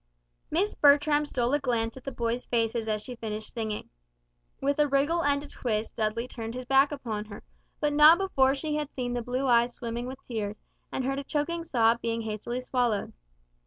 Miss Bertram stole a glance at the boys' faces as she finished singing. With a wriggle and a twist Dudley turned his back upon her; but not before she had seen the blue eyes swimming with tears, and heard a choking sob being hastily swallowed.